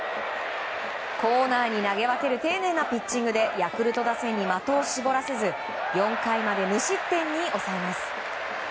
コーナーに投げ分ける丁寧なピッチングでヤクルト打線に的を絞らせず４回まで無失点に抑えます。